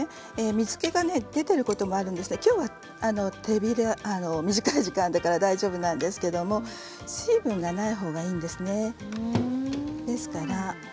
水けが出ていることもあるのできょうは短い時間だから大丈夫ですけど水分がないほうがいいんですね。